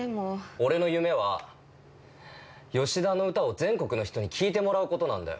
俺の夢は、吉田の歌を全国の人に聴いてもらうことなんだよ。